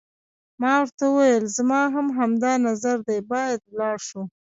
ما ورته وویل: زما هم همدا نظر دی، باید ولاړ شو.